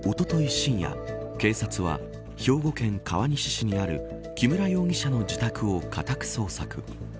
深夜、警察は兵庫県川西市にある木村容疑者の自宅を家宅捜索。